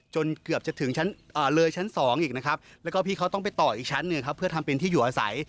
จนเกือบจะถึงเลยชั้น๒อีกนะครับแล้วก็พี่เขาต้องไปต่ออีกชั้นหนึ่งครับเพื่อทำเป็นที่อยู่อาศัย